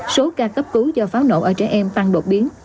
số ca cấp cứu do pháo nổ ở trẻ em tăng đột biến